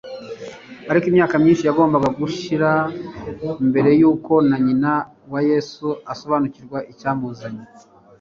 Ariko imyaka myinshi igomba gushira mbere yuko na nyina wa Yesu asobanukirwa n'icyamuzanye